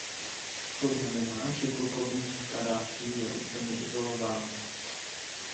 To znamená, že plukovník Kaddáfí je úplně izolován.